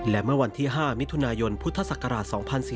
และเมื่อวันที่๕มิถุนายนพุทธศักราช๒๔๙